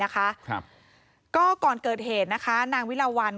ก่อนเกิดเหตุนางวิราวัล